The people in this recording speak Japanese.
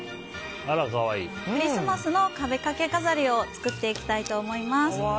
クリスマスの壁掛け飾りを作っていきたいと思います。